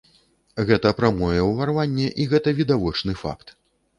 Гэта прамое ўварванне, і гэта відавочны факт.